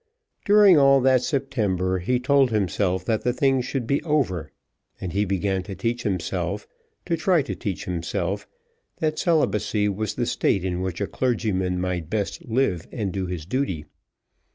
During all that September he told himself that the thing should be over, and he began to teach himself, to try to teach himself, that celibacy was the state in which a clergyman might best live and do his duty.